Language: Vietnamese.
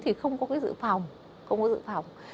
thì không có cái dự phòng